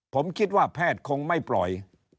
ผมคิดว่าแพทย์คงไม่ปล่อย